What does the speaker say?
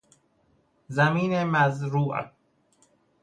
زمین مزروع